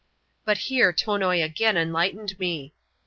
But here Tonoi again enlightened me.